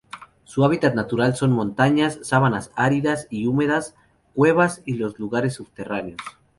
Su hábitat natural son: montañas, sabanas áridas y húmedas, cuevas, y los lugares subterráneos.